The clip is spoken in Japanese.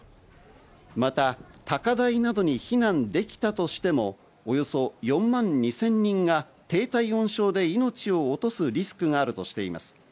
また高台などに避難できたとしても、およそ４万２０００人が低体温症で命を落とすリスクがあるとしています。